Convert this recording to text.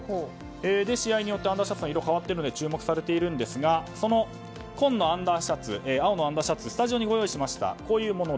試合によって、アンダーシャツの色が変わっているので注目されているんですが青のアンダーシャツスタジオにご用意しました。